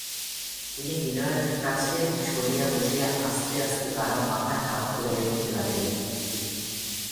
তিনি বিনয়ের কাছে সরিয়া বসিয়া আস্তে আস্তে তাহার মাথায় হাত বুলাইয়া দিতে লাগিলেন।